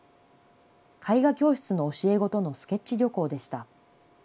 絵画教室の教え子とのスケッチ旅行でした。